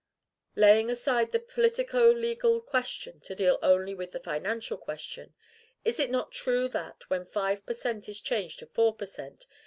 Laying aside the politico legal question to deal only with the financial question, is it not true that, when five per cent. is changed to four per cent.